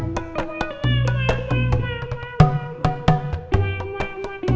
rangi istri bapak mengalami perusahaan